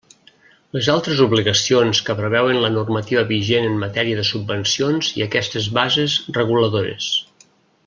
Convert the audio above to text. Les altres obligacions que preveuen la normativa vigent en matèria de subvencions i aquestes bases reguladores.